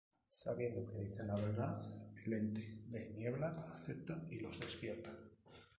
Sabiendo que dicen la verdad, el ente de niebla acepta y los despierta.